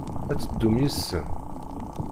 Ad teddum yid-sen?